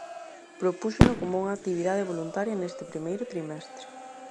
Propúxeno como unha actividade voluntaria neste primeiro trimestre.